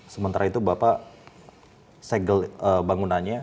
sementara itu bapak segel bangunannya